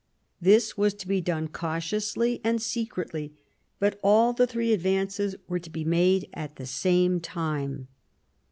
This was to be done cautiously and secretly; but all the three advances were to be made at the same time.